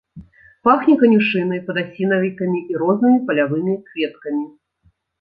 Пахне канюшынай, падасінавікамі і рознымі палявымі кветкамі.